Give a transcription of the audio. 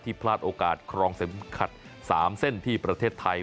พลาดโอกาสครองเข็มขัด๓เส้นที่ประเทศไทย